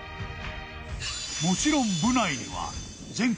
［もちろん部内には］